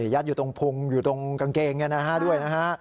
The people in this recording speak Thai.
ยัดอยู่ตรงพุงอยู่ตรงกางเกงด้วยนะฮะ